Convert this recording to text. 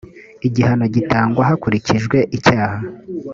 igihano gitangwa hakurikijwe icyaha.